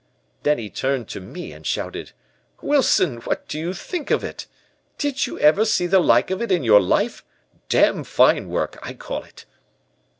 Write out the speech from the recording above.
"Then he turned to me and shouted: "'Wilson, what do you think of it? Did you ever see the like of it in your life? Damn fine work, I call it.'